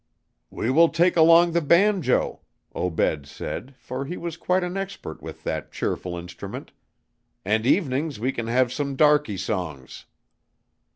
"We will take along the banjo," Obed said, for he was quite an expert with that cheerful instrument, "and evenings we can have some darkey songs."